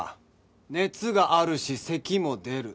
熱があるしせきも出る。